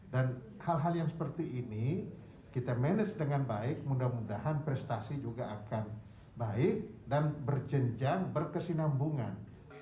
dan hal hal yang seperti ini kita manage dengan baik mudah mudahan prestasi juga akan baik dan berjenjang berkesinambungan